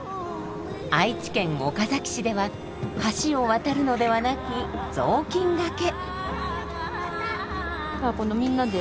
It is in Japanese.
愛知県岡崎市では橋を渡るのではなく雑巾がけ。